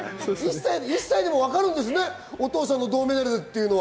１歳でもわかるんですね、お父さんの銅メダルというのは。